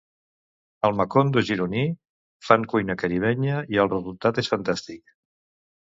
Al Macondo gironí fan cuina caribenya i el resultat és fantàstic.